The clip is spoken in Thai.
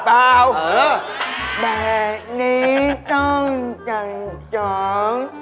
ป้าวเออแบบนี้ต้องจันทรอง